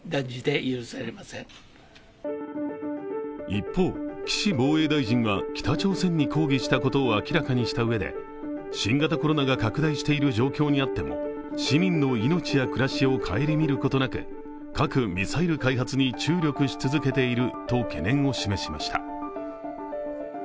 一方、岸防衛大臣は北朝鮮に抗議したことを明らかにした上で新型コロナが拡大している状況にあっても、市民の命や暮らしを顧みることなく核・ミサイル開発に注力し続けていると懸念を表明しました。